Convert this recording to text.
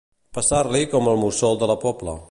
Passar-li com al mussol de la Pobla.